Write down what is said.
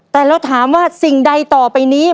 แต่เราถามว่าสิ่งใดต่อไปนี้